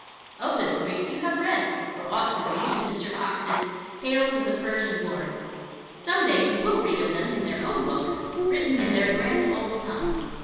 Of those Greeks you have read, or ought to read, in Mr. Cox's Tales of the Persian War. Some day you will read of them in their own books, written in their grand old tongue.